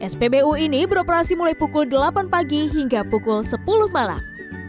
spbu ini beroperasi mulai pukul delapan pagi hingga pukul sepuluh malam